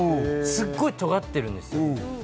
すごい尖ってるんですよ。